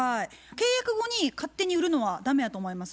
契約後に勝手に売るのは駄目やと思います。